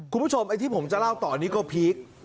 คุณผู้ชมไอ้ที่ผมจะเล่าต่อนี้ก็พีค